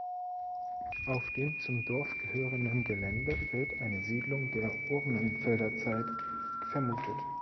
Auf dem zum Dorf gehörenden Gelände wird eine Siedlung der Urnenfelderzeit vermutet.